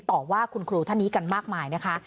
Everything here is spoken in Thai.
ต่อว่าคุณครูท่านนี้กันมากมายนะคะ